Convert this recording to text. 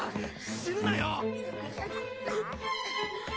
死ぬなよ！